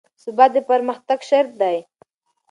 ثبات د پرمختګ شرط دی